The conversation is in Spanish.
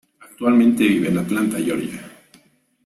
Actualmente vive en Atlanta, Georgia.